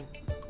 bukan buat apa